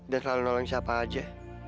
dan selalu nolong siapa aja